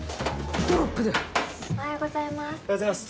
おはようございます。